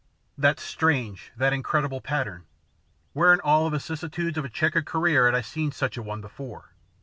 That strange, that incredible pattern! Where in all the vicissitudes of a chequered career had I seen such a one before?